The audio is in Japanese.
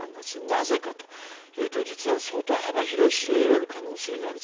なぜかと言うと実は相当幅広い支持を得られる可能性がある。